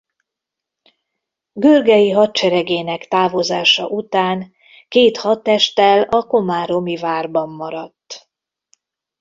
Görgei hadseregének távozása után két hadtesttel a komáromi várban maradt.